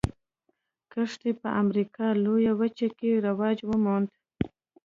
کښت یې په امریکا لویه وچه کې رواج وموند.